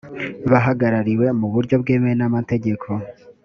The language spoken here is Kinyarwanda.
bahagarariwe mu buryo bwemewe n’ amategeko